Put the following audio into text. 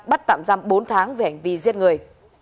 bắt tạm giam bốn tháng về hành vi giết người